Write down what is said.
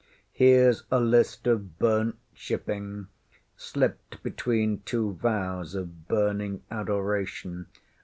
HereŌĆÖs a list of burnt shipping slipped between two vows of burning adoration.